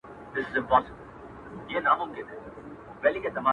مړاوي مړاوي سور ګلاب وي زما په لاس کي،